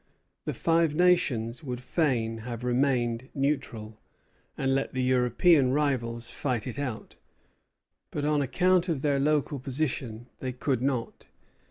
The Five Nations would fain have remained neutral, and let the European rivals fight it out; but, on account of their local position, they could not.